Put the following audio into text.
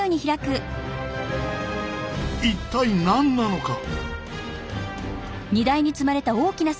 一体何なのか？